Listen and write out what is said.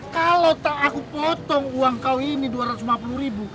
kalau tak aku potong uang kau ini dua ratus lima puluh ribu